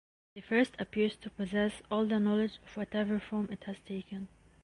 The First appears to possess all the knowledge of whatever form it has taken.